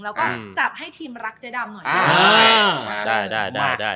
แล้วก็จับให้ทีมรักเจ๊ดำหน่อยค่ะ